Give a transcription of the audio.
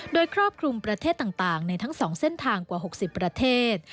โดยครอบคลุมประเทศต่างในทั้ง๒เส้นทางกว่า๖๐ประเทศ